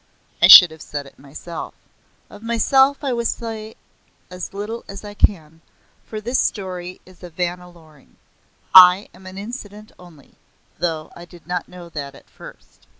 I should have said it myself. Of myself I will say as little as I can, for this story is of Vanna Loring. I am an incident only, though I did not know that at first.